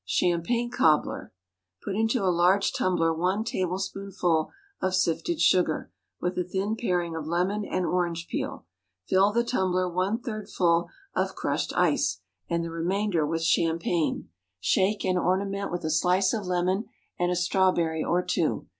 Champagne Cobbler. Put into a large tumbler one tablespoonful of sifted sugar, with a thin paring of lemon and orange peel; fill the tumbler one third full of crushed ice, and the remainder with champagne. Shake, and ornament with a slice of lemon, and a strawberry or two.